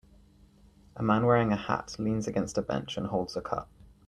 A man wearing a hat leans against a bench and holds a cup.